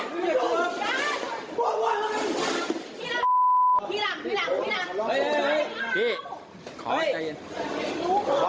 พี่หลังพี่หลัง